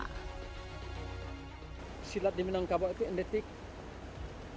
kesamaan yaitu berdasar pada agama